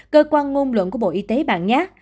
cơ quan ngôn luận của bộ y tế bạn nhé